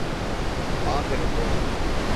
Aferin dostum.